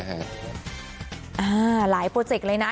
หลายโปรเจกต์เลยนะ